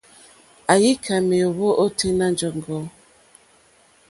Àyíkâ méěyó ôténá jɔ̀ŋgɔ́.